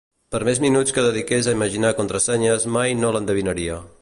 Per més minuts que dediqués a imaginar contrasenyes, mai no l'endevinaria.